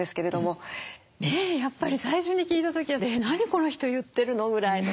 ねえやっぱり最初に聞いた時は「えっ何この人言ってるの？」ぐらいのね。